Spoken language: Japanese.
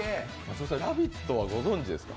「ラヴィット！」はご存じですか？